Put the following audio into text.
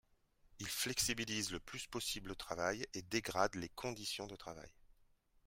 Il flexibilise le plus possible le travail et dégrade les conditions de travail.